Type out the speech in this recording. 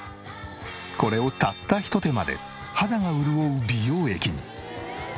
これをたったひと手間で肌が潤う美容液に。